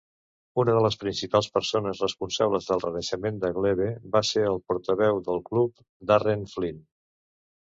Una de les principals persones responsables del renaixement de Glebe va ser el portaveu del club, Darren Flynn.